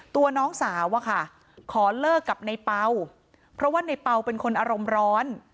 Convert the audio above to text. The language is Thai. ตัวน้องสาวอะค่ะขอเลิกกับในเปล่าเพราะว่าในเปล่าเป็นคนอารมณ์ร้อน